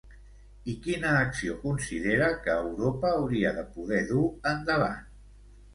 I quina acció considera que Europa hauria de poder dur endavant?